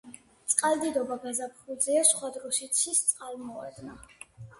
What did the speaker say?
წყალდიდობა გაზაფხულზეა, სხვა დროს იცის წყალმოვარდნა.